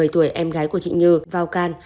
một mươi tuổi em gái của chị nhừ vào can